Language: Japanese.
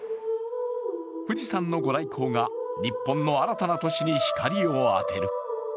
富士山の御来光が日本の新たな年に光を当てる。